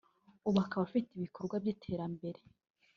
ubu akaba afite ibikorwa by’iterambere